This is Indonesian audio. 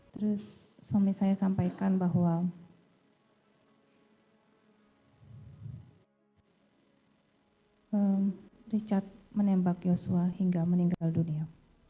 terus suami saya sampaikan bahwa richard menembak yosua hingga meninggal dunia